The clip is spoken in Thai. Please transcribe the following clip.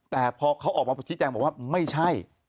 แต่พอเขาออกมาชี้แจงบอกว่าไม่ใช่